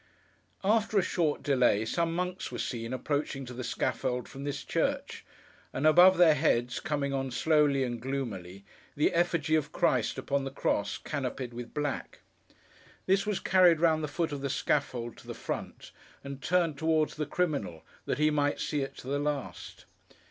After a short delay, some monks were seen approaching to the scaffold from this church; and above their heads, coming on slowly and gloomily, the effigy of Christ upon the cross, canopied with black. This was carried round the foot of the scaffold, to the front, and turned towards the criminal, that he might see it to the last.